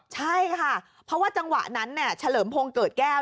ใช่ค่ะเพราะว่าจังหวะนั้นเฉลิมพงศ์เกิดแก้ว